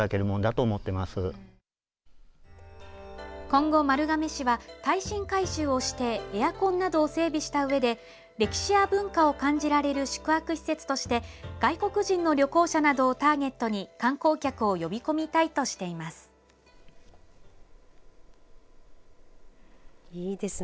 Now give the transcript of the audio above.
今後、丸亀市は耐震改修をしてエアコンなどを整備したうえで歴史や文化を感じられる宿泊施設として外国人の旅行者などをターゲットに観光客を呼び込みたいとしています。